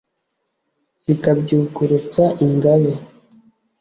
zikabyukurutsa ingabe,